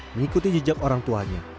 mengikuti jejak orang tuanya